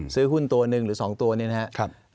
ซื้อหุ้นตัวหนึ่งหรือ๒ตัวนี้นะครับ